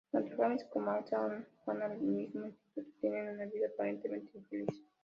Tanto James como Alyssa van al mismo instituto y tienen una vida aparentemente infeliz.